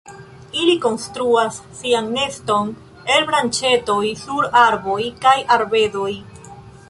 Ili konstruas sian neston el branĉetoj sur arboj kaj arbedoj.